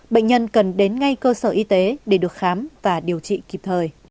bệnh nhân cần đến ngay cơ sở y tế để được khám và điều trị kịp thời